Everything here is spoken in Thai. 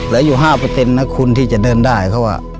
แล้วอยู่๕นักคุณที่จะเดินได้ครับ